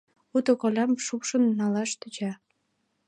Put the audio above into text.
Уто колям шупшын налаш тӧча.